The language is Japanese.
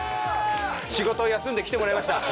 仕事を休んで来てもらいました。